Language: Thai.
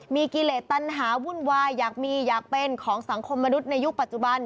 มีกิเลสตันหาวุ่นวายอยากมีอยากเป็นของสังคมมนุษย์ในยุคปัจจุบัน